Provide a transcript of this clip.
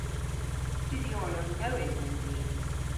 Studhyoryon nowydh yns i.